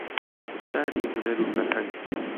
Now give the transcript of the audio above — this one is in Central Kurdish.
شاری هونەر و فەرهەنگ